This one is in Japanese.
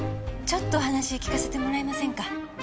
ちょっとお話聞かせてもらえませんか？